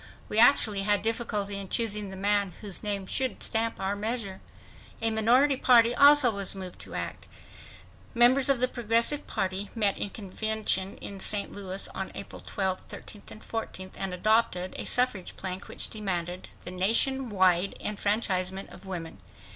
We actually had difficulty in choosing the man whose name should stamp our measure. A minority party also was moved to act. Members of the Progressive Party met in convention in St. Louis on April 12, 13 and 14 and adopted a suffrage plank which demanded "the nation wide enfranchisement of women